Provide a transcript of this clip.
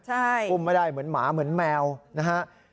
ใช่อุ้มไม่ได้เหมือนหมาเหมือนแมวนะฮะ